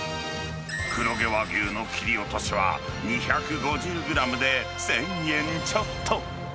黒毛和牛の切り落としは、２５０グラムで１０００円ちょっと。